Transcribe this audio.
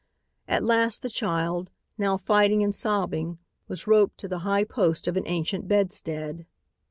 At last the child, now fighting and sobbing, was roped to the high post of an ancient bedstead.